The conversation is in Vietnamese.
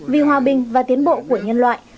vì hòa bình và tiến bộ của nhân loại